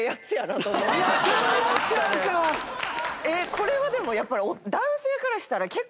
これはでもやっぱり。